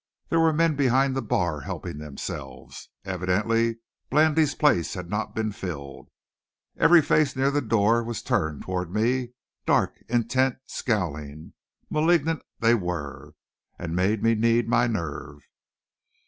There were men behind the bar helping themselves. Evidently Blandy's place had not been filled. Every face near the door was turned toward me; dark, intent, scowling, malignant they were, and made me need my nerve.